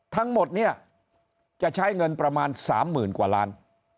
ทั้งหมดเนี่ยจะใช้เงินประมาณ๓๐๐๐กว่าล้าน